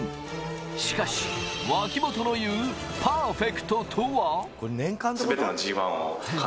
しかし脇本の言うパーフェクトとは？